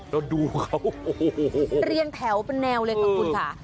แล้วดูเขาโอ้โหเรียงแถวเป็นแนวเลยค่ะคุณค่ะ